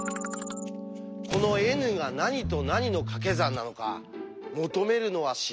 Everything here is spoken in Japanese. このＮが何と何のかけ算なのか求めるのは至難の業。